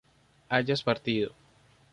hayas partido